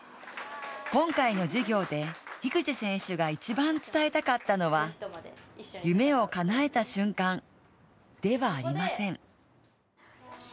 今回の授業で樋口選手が一番伝えたかったのは夢をかなえた瞬間ではありません。